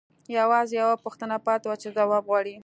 یوازې یوه پوښتنه پاتې وه چې ځواب غواړي